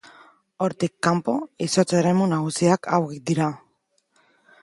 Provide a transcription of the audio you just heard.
Hortik kanpo, izotz-eremu nagusiak hauek dira.